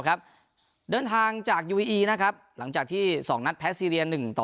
ครับเดินทางจากยูอีอีนะครับหลังจากที่สองนัดแพ้ซีเรียนหนึ่งต่อ